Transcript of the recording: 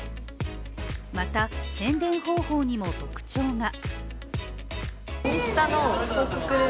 また、宣伝方法にも特徴が。